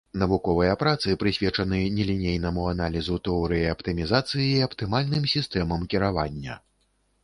Навуковыя працы прысвечаны нелінейнаму аналізу, тэорыі аптымізацыі і аптымальным сістэмам кіравання.